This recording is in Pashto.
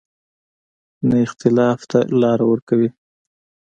نه اختلاف ته لار ورکوي.